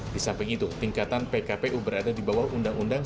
di samping itu tingkatan pkpu berada di bawah undang undang